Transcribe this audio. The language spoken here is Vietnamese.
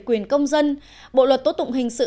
quyền công dân bộ luật tố tụng hình sự hai nghìn một mươi năm